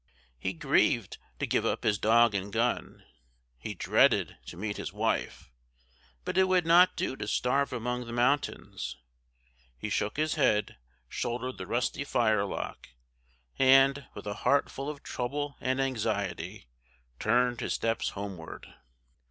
He grieved to give up his dog and gun; he dreaded to meet his wife; but it would not do to starve among the mountains. He shook his head, shouldered the rusty firelock, and, with a heart full of trouble and anxiety, turned his steps homeward.